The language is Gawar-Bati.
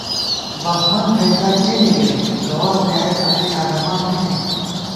بہمن حیدر کېنےگئیت، گوَر بۡلیایَہ تسُو یادَمان می نئ